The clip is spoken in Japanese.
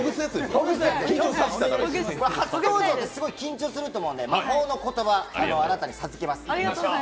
初登場ですごい緊張すると思うので、魔法の言葉をあなたに授けます。